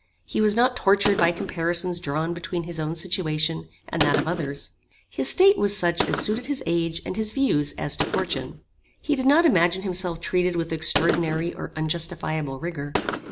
He was not tortured by comparisons drawn between his own situation and that of others. His state was such as suited his age and his views as to fortune. He did not imagine himself treated with extraordinary or unjustifiable rigor.